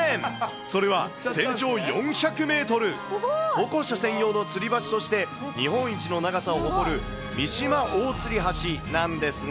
それは全長４００メートル、歩行者専用のつり橋として日本一の長さを誇る三島大吊橋なんですな